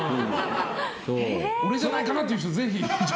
俺じゃないかなという人、ぜひ。